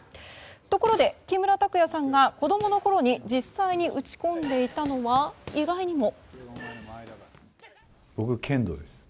ところで木村拓哉さんが子供のころに実際に打ち込んでいたのは意外にも。